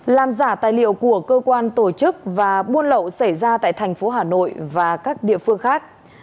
làm giả tài liệu của cơ quan tổ chức và buôn lậu xảy ra tại thành phố hà nội và các địa phương khác